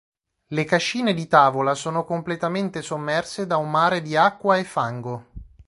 Le cascine di Tavola sono completamente sommerse da un mare di acqua e fango.